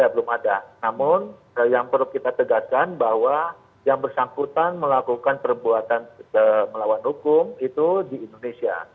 belum ada namun yang perlu kita tegaskan bahwa yang bersangkutan melakukan perbuatan melawan hukum itu di indonesia